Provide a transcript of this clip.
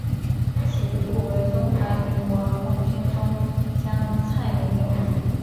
其父为中华民国空军中将蔡名永。